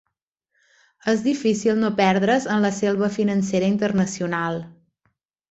És difícil no perdre's en la selva financera internacional.